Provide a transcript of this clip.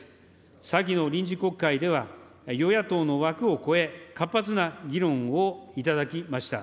先の臨時国会では、与野党の枠を超え、活発な議論をいただきました。